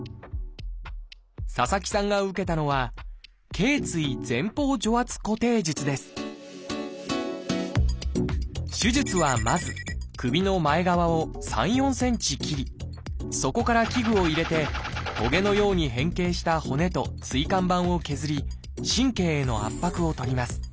佐々木さんが受けたのは手術はまず首の前側を３４ｃｍ切りそこから器具を入れてトゲのように変形した骨と椎間板を削り神経への圧迫を取ります。